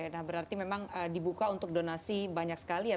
nah berarti memang dibuka untuk donasi banyak sekali ya